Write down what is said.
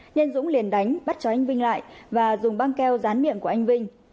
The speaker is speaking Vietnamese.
nên dũng liền đánh bắt cho anh vinh lại và dùng băng keo rán miệng của anh vinh